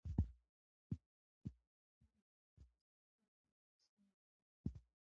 کتاب د پوهې هغه ډیوه ده چې هېڅ باد یې نشي مړ کولی.